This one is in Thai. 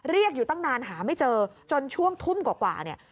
เรียกอยู่ตั้งนานหาไม่เจอจนช่วงทุ่มกว่าเนี่ย